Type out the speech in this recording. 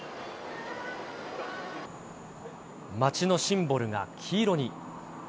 街のシンボルが黄色に。